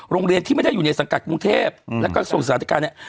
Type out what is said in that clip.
โรงเรียนที่ไม่ได้อยู่ในสังกัดกรุงเทพแล้วก็ส่งสาธิการเนี่ย